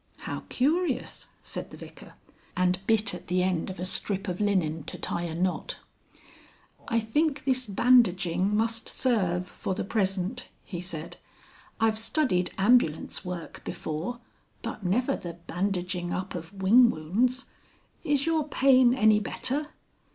"How curious!" said the Vicar, and bit at the end of a strip of linen to tie a knot. "I think this bandaging must serve for the present," he said. "I've studied ambulance work before, but never the bandaging up of wing wounds. Is your Pain any better?"